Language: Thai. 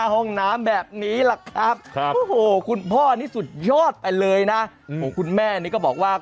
ห้องน้ำแบบนี้แหละครับโอ้โหคุณพ่อนี่สุดยอดไปเลยนะคุณแม่นี่ก็บอกว่า